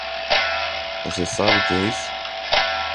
Você sabe o que é isso?